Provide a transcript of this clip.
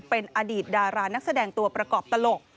เป็นอดีตดารานักแสดงตัวประกอบตลก